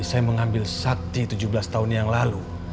saya mengambil sakti tujuh belas tahun yang lalu